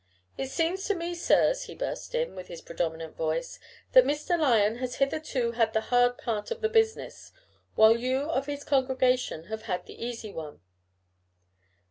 "It seems to me, sirs," he burst in, with his predominant voice, "that Mr. Lyon has hitherto had the hard part of the business, while you of his congregation have had the easy one.